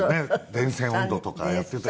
『電線音頭』とかやってたり。